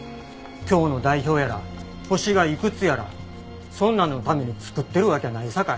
京の代表やら星がいくつやらそんなんのために作ってるわけやないさかい。